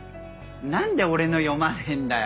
何で俺の読まねえんだよ。